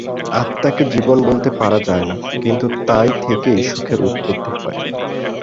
আত্মাকে জীবন বলতে পারা যায় না, কিন্তু তাই থেকেই সুখের উৎপত্তি হয়।